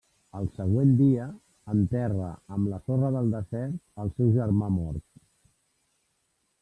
Al següent dia, enterra amb la sorra del desert al seu germà mort.